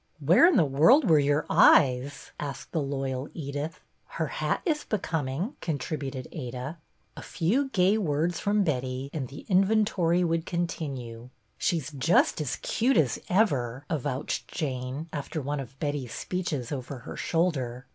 " Where in the world were your eyes ?" asked the loyal Edith. " Her hat is becoming," contributed Ada. A few gay words from Betty and the in ventory would continue. "She's just as cute as ever," avouched Jane, after one of Betty's speeches over her shoulder.